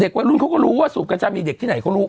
วัยรุ่นเขาก็รู้ว่าสูบกัญชามีเด็กที่ไหนเขารู้